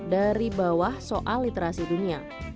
dari bawah soal literasi dunia